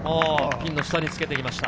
ピンの下につけてきました。